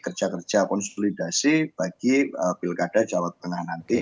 kerja kerja konsolidasi bagi pilkada jawa tengah nanti